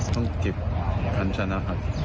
ต้องเก็บทางชนะครับ